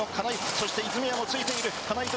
そして、泉谷も突いている。